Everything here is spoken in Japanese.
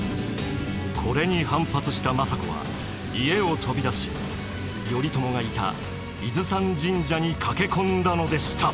これに反発した政子は家を飛び出し頼朝がいた伊豆山神社に駆け込んだのでした。